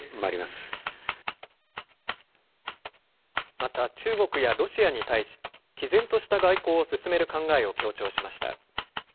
また中国やロシアに対し、きぜんとした外交を進める考えを強調しました。